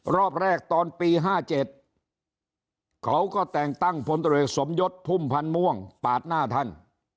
รอบแรกตอนปี๕๗เขาก็แต่งตั้งพตสมยศพพมปาดหน้าท่าน